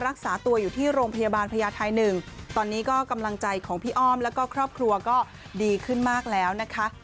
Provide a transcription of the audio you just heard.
รักษาตัวอยู่ที่โรงพยาบาลพญาไทยหนึ่งตอนนี้ก็กำลังใจของพี่อ้อมแล้วก็ครอบครัวก็ดีขึ้นมากแล้วนะคะ